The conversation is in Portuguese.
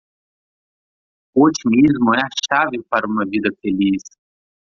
O otimismo é a chave para uma vida feliz.